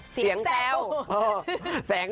เสียงแจ้ว